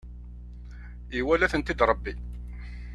Iwala-tent-id Rebbi.